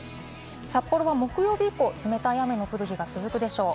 札幌は木曜日以降、冷たい雨が降る日が続くでしょう。